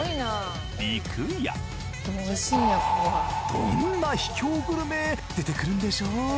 どんな秘境グルメ出てくるんでしょう？